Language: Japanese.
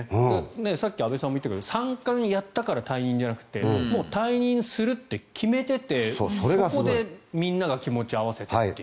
さっき安部さんも言っていたけど３冠をやったから退任じゃなくてもう退任するって決めててそこでみんなが気持ちを合わせてという。